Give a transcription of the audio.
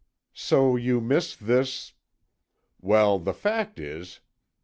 "So you miss this...." "Well, the fact is...."